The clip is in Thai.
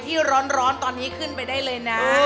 ที่ร้อนตอนนี้ขึ้นไปได้เลยนะ